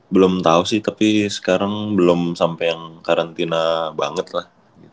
belum tahu sih tapi sekarang belum sampai yang karantina banget lah